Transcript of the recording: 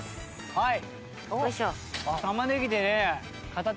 はい。